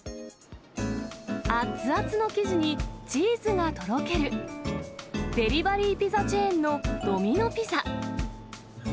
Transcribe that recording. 熱々の生地に、チーズがとろける、デリバリーピザチェーンのドミノ・ピザ。